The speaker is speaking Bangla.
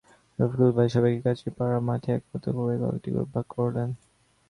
রফিকুল ভাই সবাইকে কাচারীপাড়া মাঠে একত্র করে কয়েকটি গ্রুপে ভাগ করলেন।